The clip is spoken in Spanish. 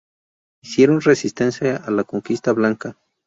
Hicieron resistencia a la conquista blanca.